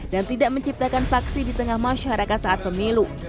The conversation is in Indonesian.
dan tidak menciptakan paksi di tengah masyarakat saat pemilu